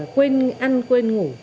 quên ăn quên ngủ